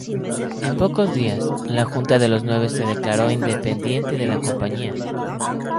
En pocos días, la Junta de los nueve se declaró independiente de la compañía.